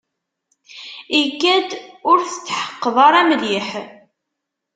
Ikad-d ur tetḥeqqeḍ ara mliḥ.